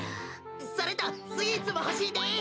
それとスイーツもほしいです。